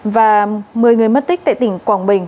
và một mươi người mất tích tại tỉnh quảng bình